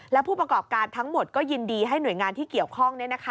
และผู้ประกอบการทั้งหมดก็ยินดีให้หน่วยงานที่เกี่ยวข้อง